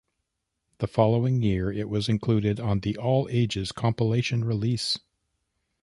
The following year it was included on the "All Ages" compilation release.